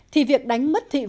thì việc đánh mất thị phạm